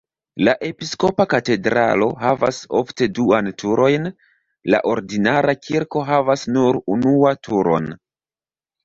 La episkopa katedralo havas ofte duan turojn, la ordinara kirko havas nur unua turon.